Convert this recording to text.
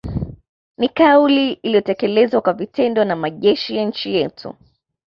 Ni kauli iliyotekelezwa kwa vitendo na majeshi ya nchi yetu